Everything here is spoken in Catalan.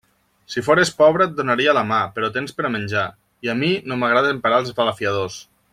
Si fores pobra, et donaria la mà; però tens per a menjar, i a mi no m'agrada emparar els balafiadors.